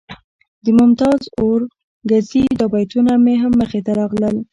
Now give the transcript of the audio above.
د ممتاز اورکزي دا بیتونه مې هم مخې ته راغلل.